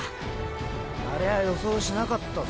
ありゃあ予想しなかったぜ。